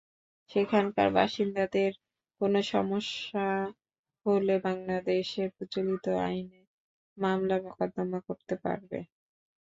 সেখানকার বাসিন্দাদের কোনো সমস্যা হলে বাংলাদেশের প্রচলিত আইনে মামলা-মোকদ্দমা করতে পারবে।